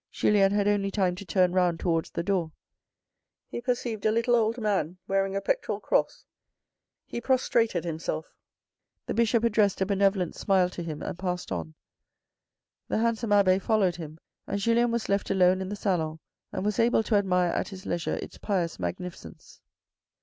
Julien had only time to turn round towards the door. He perceived a little old man wearing a pectoral cross. He prostrated him self. The Bishop addressed a benevolent smile to him and passed on. The handsome abbe followed him and Julien was left alone in the salon, and was able to admire at his leisure its pious magnificence.